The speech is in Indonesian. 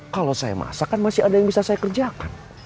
kalau saya masak kan masih ada yang bisa saya kerjakan